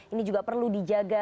ini juga perlu dijaga